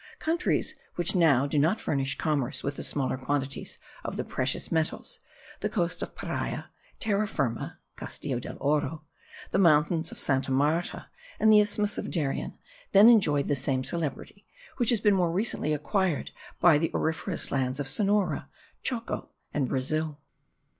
Countries which now do not furnish commerce with the smallest quantities of the precious metals, the coast of Paria, Terra Firma (Castillo del Oro), the mountains of Santa Marta, and the isthmus of Darien, then enjoyed the same celebrity which has been more recently acquired by the auriferous lands of Sonora, Choco, and Brazil.